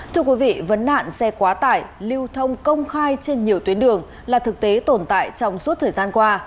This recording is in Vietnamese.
thưa quý vị vấn nạn xe quá tải lưu thông công khai trên nhiều tuyến đường là thực tế tồn tại trong suốt thời gian qua